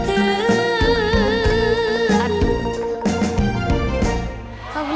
ขอบคุณครับ